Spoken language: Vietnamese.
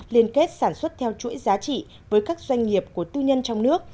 liên kết sản xuất theo chuỗi giá trị với các doanh nghiệp của tư nhân trong nước